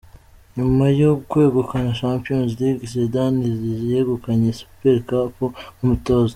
nyuma yo kwegukana champions League Zidane yegukanye Super Cup nk’umutoza